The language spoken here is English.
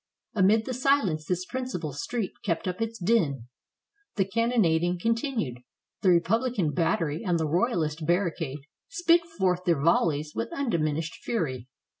Amid the silence this principal street kept up its din ; the cannonading continued ; the repub lican battery and the royalist barricade spit forth their volleys with undiminished fury.